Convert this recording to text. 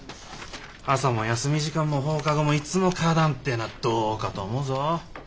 朝も休み時間も放課後もいつも花壇っていうのはどうかと思うぞ。